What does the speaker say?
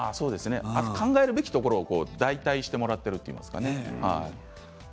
考えるところを代替してもらっているという感じですかね。